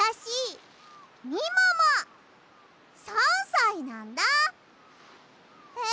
３さいなんだ。え？